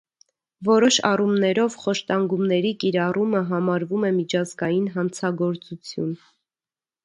Որոշ առումներով խոշտանգումների կիրառումը համարվում է միջազգային հանցագործություն։